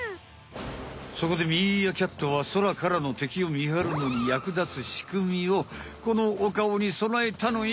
そこでミーアキャットは空からのてきを見はるのにやくだつしくみをこのおかおにそなえたのよ。